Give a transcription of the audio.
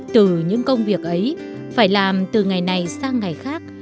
từ những công việc ấy phải làm từ ngày này sang ngày khác